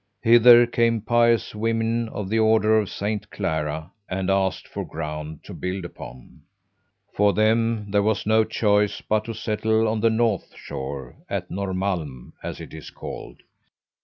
Hither came pious women of the Order of Saint Clara and asked for ground to build upon. For them there was no choice but to settle on the north shore, at Norrmalm, as it is called.